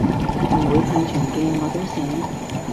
唔會太長嘅我都寫